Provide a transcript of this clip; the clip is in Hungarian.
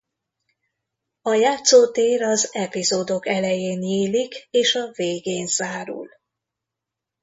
A játszótér az epizódok elején nyílik és a végén zárul.